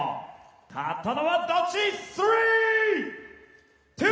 勝ったのはどっち？